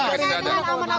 kalau tidak ada